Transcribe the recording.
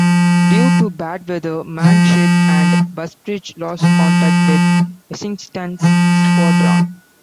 Due to bad weather, "Manship" and "Busbridge" lost contact with Essington's squadron.